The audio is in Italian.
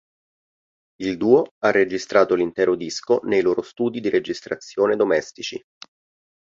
Il duo ha registrato l'intero disco nei loro studi di registrazione domestici.